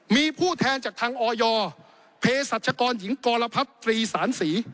มีผู้แทนจากทางออยอเพศัจจรกรหญิงกรพภัพธ์๓สาน๔